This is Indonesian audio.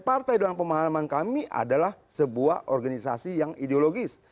partai dalam pemahaman kami adalah sebuah organisasi yang ideologis